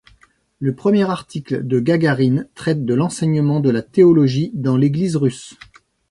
Le premier article de Gagarine traite de l’enseignement de la théologie dans l’Église russe.